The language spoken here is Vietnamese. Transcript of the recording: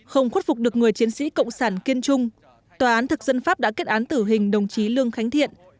không khuất phục được người chiến sĩ cộng sản kiên trung tòa án thực dân pháp đã kết án tử hình đồng chí lường khánh thiện